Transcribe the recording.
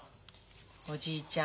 おじいちゃん